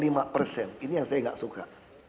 ini yang saya tidak suka